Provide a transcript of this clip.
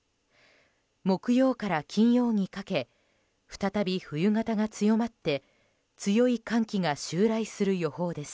木曜から金曜にかけ再び冬型が強まって強い寒気が襲来する予報です。